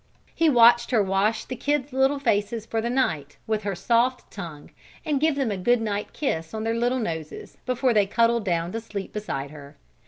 He watched her wash the kids' little faces for the night with her soft tongue and give them a good night kiss on their little noses before they cuddled down to sleep beside her.